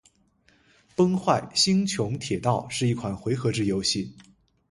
《崩坏：星穹铁道》是一款回合制游戏。